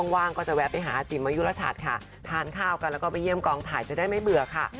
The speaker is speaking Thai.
ว่างก็จะแวะไปหาอาจิ๋มอายุรชัดค่ะทานข้าวกันแล้วก็ไปเยี่ยมกองถ่ายจะได้ไม่เบื่อค่ะ